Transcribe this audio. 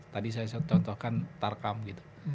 tadi saya contohkan tarkam gitu